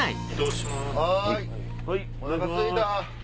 おなかすいた！